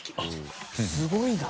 すごいな。